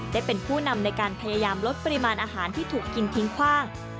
ได้เป็นผู้นำในการพยายามลดปริมาณอาหารที่ถูกกินทิ้งคว่าง